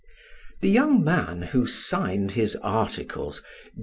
The young man, who signed his articles, "D.